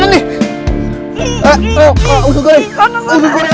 nanti gue untuk itulah